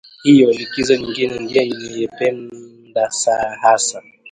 Hiyo likizo nyingine ndiyo niliyoipenda hasa